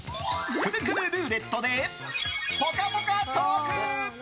くるくるルーレットでぽかぽかトーク！